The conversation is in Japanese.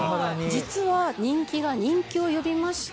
実は人気が人気を呼びまして。